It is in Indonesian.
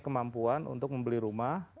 kemampuan untuk membeli rumah